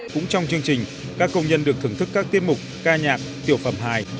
cũng trong chương trình các công nhân được thưởng thức các tiết mục ca nhạc tiểu phẩm hài